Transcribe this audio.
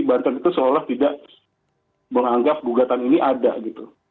banten itu seolah tidak menganggap gugatan ini ada gitu